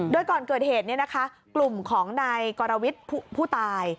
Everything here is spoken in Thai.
โดยก่อนเกิดเหตุกลุ่มของนายกรวิทย์ผู้ตาย